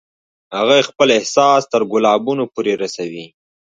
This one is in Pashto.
هغه خپل احساس تر ګلابونو پورې رسوي